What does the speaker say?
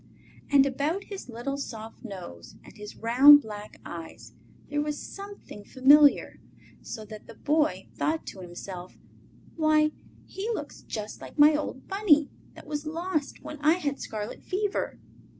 And about his little soft nose and his round black eyes there was something familiar, so that the Boy thought to himself: "Why, he looks just like my old Bunny that was lost when I had scarlet fever!"